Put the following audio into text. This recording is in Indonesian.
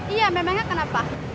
iya memangnya kenapa